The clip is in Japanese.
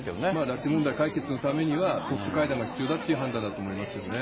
拉致問題解決のためには、トップ会談が必要だという判断だと思いますけどね。